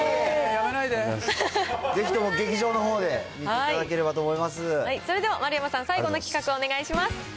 ぜひとも劇場のほうで、見てそれでは丸山さん、最後の企画、お願いします。